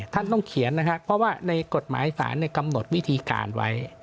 ท่านต้องเขียนนะครับเพราะว่าในกฎหมายศาลกำหนดวิธีการไว้